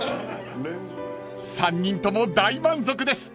［３人とも大満足です］